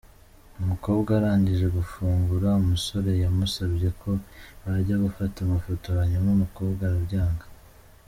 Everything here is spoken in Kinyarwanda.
Umukobwa arangije gufungura, umusore yamusabye ko bajya gufata amafoto hanyuma umukobwa arabyanga.